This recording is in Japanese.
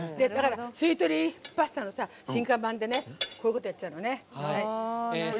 「すいとりパスタ」の進化版でこういうことやっちゃうのね。